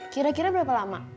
kira kira berapa lama